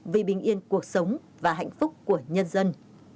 vì bình yên cuộc sống và hạnh phúc của nhân dân